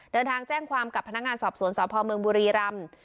เดินทางแจ้งความกับพนักงานสอบสวนสพเมืองบุรีรำ